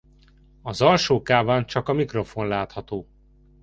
Az alsó káván csak a mikrofon látható.